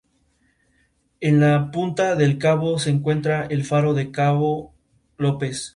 Es codirectora de "Arenal, Revista de Historia de las Mujeres.